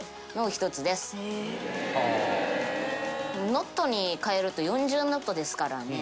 ノットに換えると４０ノットですからね。